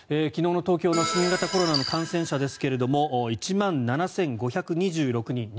昨日の東京の新型コロナの感染者ですが１万７５２６人。